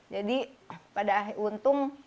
jadi pada untung